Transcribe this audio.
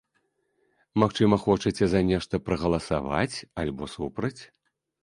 Магчыма, хочаце за нешта прагаласаваць, альбо супраць?